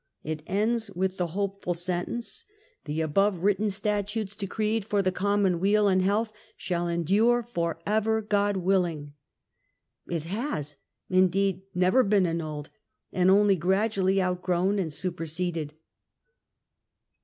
It ends with the hopeful sentence: "The above written Austria 102 THE END OF THE MIDDLE AGE statutes, decreed for the common weal and health, shall endure for ever, God willing". It has, indeed, never been annulled, but only gradually outgrown and super seded.